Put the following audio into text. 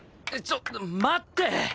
ちょっと待って！